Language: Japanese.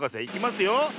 いきますよ。